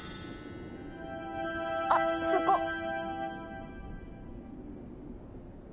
あっそこ！